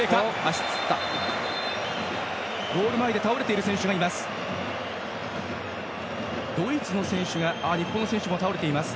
ゴール前で倒れている選手がいます。